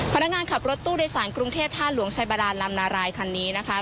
พนักงานขับรถตู้โดยสารกรุงเทพท่าหลวงชัยบาดานลำนารายคันนี้นะคะ